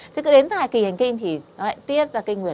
thế đến giai kỳ hành kinh thì nó lại tiết ra cây nguyệt